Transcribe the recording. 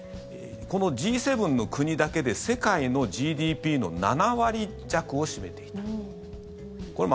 このＧ７の国だけで世界のＧＤＰの７割弱を占めていた。